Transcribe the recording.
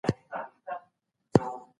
د حق په لاره.